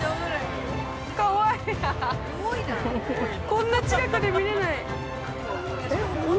こんな近くで見れない。